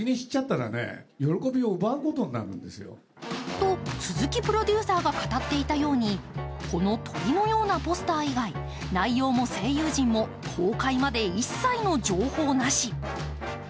と、鈴木プロデューサーが語っていたようにこの鳥のようなポスター以外内容も声優陣も公開まで一切の情報なし。